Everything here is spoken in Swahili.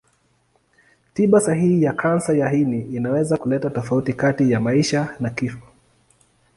Tiba sahihi ya kansa ya ini inaweza kuleta tofauti kati ya maisha na kifo.